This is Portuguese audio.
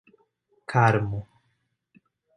Carmo